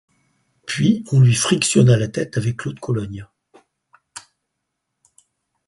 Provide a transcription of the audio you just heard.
Puis, on lui frictionna la tête avec l’eau de Cologne.